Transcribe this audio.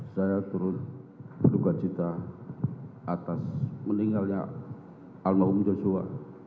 saya turut berduka cinta atas meninggalnya alma um josua